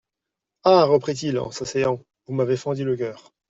Ah ! reprit-il en s'asseyant, vous m'avez fendu le cœur.